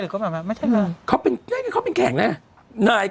หรือไม่ไม่ไม่ไม่ไม่เขาเป็นนี่ก็เขาเป็นแขกน่ะนาย